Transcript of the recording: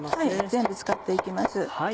全部使っていきます。